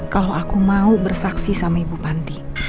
kalau aku mau bersaksi sama ibu panti